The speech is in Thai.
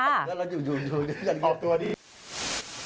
แล้วเราอยู่อย่าตอบตัวนี่